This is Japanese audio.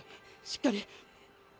しっかり！